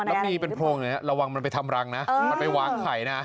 แล้วมีเป็นโพรงเนี่ยระวังมันไปทำรังนะมันไปวางไข่นะ